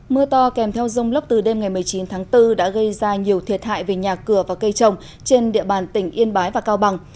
mưa to kèm theo rông lốc từ đêm ngày một mươi chín tháng bốn đã gây ra nhiều thiệt hại về nhà cửa và cây trồng trên địa bàn tỉnh yên bái và cao bằng